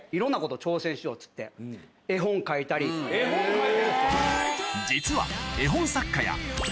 絵本描いてんですか！